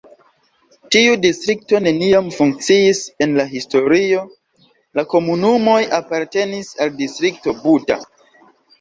Tiu distrikto neniam funkciis en la historio, la komunumoj apartenis al Distrikto Buda.